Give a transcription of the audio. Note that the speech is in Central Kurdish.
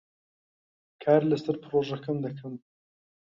کار لەسەر پرۆژەکەم دەکەم.